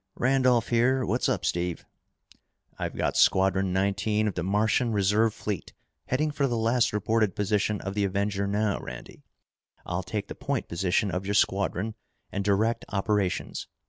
"Randolph here. What's up, Steve?" "I've got Squadron Nineteen of the Martian reserve fleet heading for the last reported position of the Avenger now, Randy. I'll take the point position of your squadron and direct operations.